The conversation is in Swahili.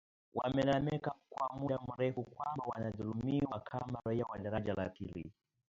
wamelalamika kwa muda mrefu kwamba wanadhulumiwa kama raia wa daraja la pili